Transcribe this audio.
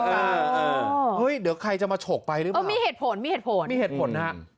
เออเฮ้ยเดี๋ยวใครจะมาฉกไปหรือเปล่าเออมีเหตุผลมีเหตุผลมีเหตุผลนะฮะ